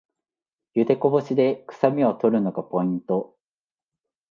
ゆでこぼしでくさみを取るのがポイント